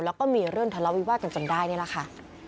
แล้วก็มีเรื่องทะเลาวิวาสกันจนได้นี่แหละค่ะ